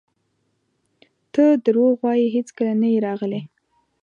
ته درواغ وایې هیڅکله نه یې راغلی!